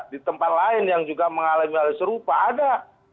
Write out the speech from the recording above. di tempat lain yang juga mengalami hal serupa ada